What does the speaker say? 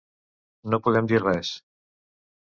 No podem dir res.